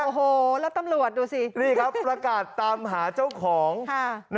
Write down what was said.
โอ้โหแล้วตำรวจดูสินี่ครับประกาศตามหาเจ้าของ